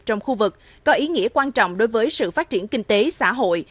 trong khu vực có ý nghĩa quan trọng đối với sự phát triển kinh tế xã hội